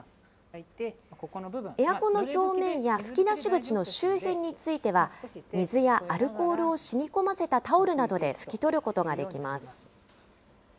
エアコンの表面や吹き出し口の周辺については、水やアルコールをしみこませたタオルなどで拭き取ることができます。